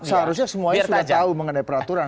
seharusnya semuanya sudah tahu mengenai peraturan